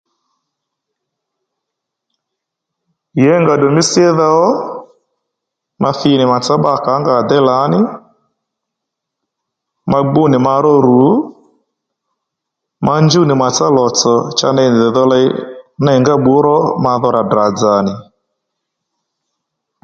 Yěnga ddù mí sídha ó ma thi nì màtsá bbakà ó nga à déy lǎní ma gbú nì ma ró rù ma njúw nì mà tsa lò tsò cha ney ndèy dho ley ney-ngá bbǔ ró madho rà Ddrà dza nì